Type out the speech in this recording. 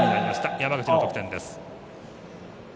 山口の得点です。